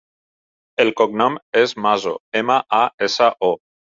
El cognom és Maso: ema, a, essa, o.